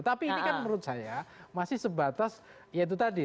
tapi ini kan menurut saya masih sebatas ya itu tadi